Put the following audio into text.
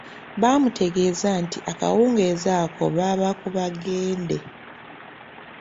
Baamutegeeza nti akawugeezi ako baaba ku bagende.